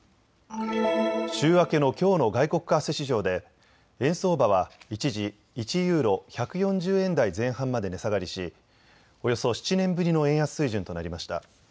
週明けのきょうの外国為替市場で円相場は一時、１ユーロ１４０円台前半まで値下がりしおよそ７年ぶりの円安水準となりました。